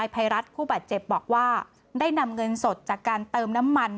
ภัยรัฐผู้บาดเจ็บบอกว่าได้นำเงินสดจากการเติมน้ำมัน